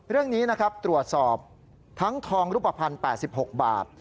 เรื่องนี้นะครับตรวจสอบทั้งทองรูปภัณฑ์๘๖บาท